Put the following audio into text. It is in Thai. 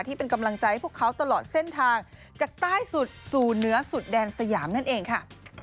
ที่เป็นกำลังใจให้พวกเขาตลอดเส้นทางจากใต้สุดสู่เนื้อสุดแดนสยามนั่นเองค่ะ